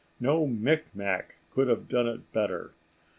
No Mic Mac could have done it better.